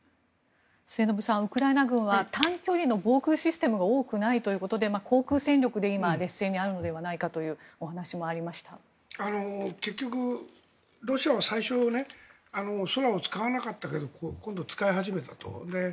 末延さん、ウクライナ軍は短距離の防空システムが多くないということで航空戦力で今劣勢にあるのではないかという結局、ロシアは最初空を使わなかったけど今度は使い始めたと。